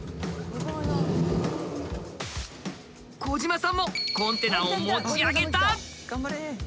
小島さんもコンテナを持ち上げた！